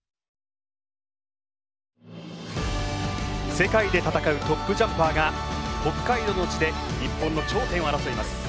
世界で戦うトップジャンパーが北海道の地で日本の頂点を争います。